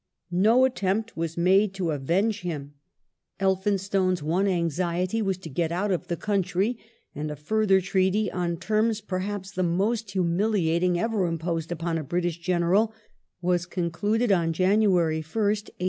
No attempt was made to avenge him ; Elphinstone's one anxiety was to get out of the country ; and a further treaty, on terms ,^rhaps the most humiliating ever imposed upon a British General, was concluded on January 1st, 1842.